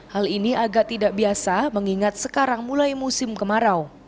hal ini agak tidak biasa mengingat sekarang mulai musim kemarau